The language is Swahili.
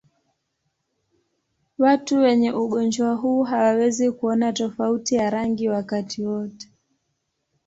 Watu wenye ugonjwa huu hawawezi kuona tofauti ya rangi wakati wote.